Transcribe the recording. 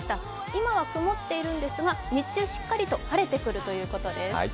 今は曇っているんですが日中しっかりと晴れてくるということです。